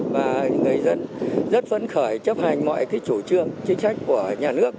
và người dân rất phấn khởi chấp hành mọi chủ trương chính trách của nhà nước